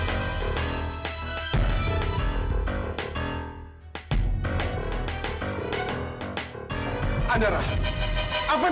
kekyak ulang akulah